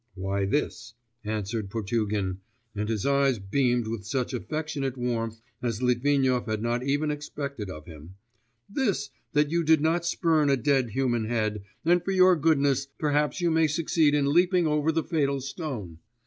'Why, this,' answered Potugin, and his eyes beamed with such affectionate warmth as Litvinov had not even expected of him, 'this, that you do not spurn a dead human head, and for your goodness, perhaps you may succeed in leaping over the fatal stone.